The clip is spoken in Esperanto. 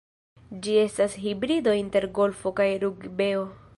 Ĝi estas hibrido inter golfo kaj rugbeo.